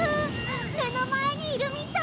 目の前にいるみたい！